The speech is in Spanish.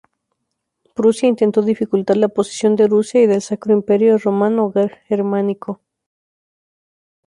Prusia intentó dificultar la posición de Rusia y del Sacro Imperio Romano Germánico.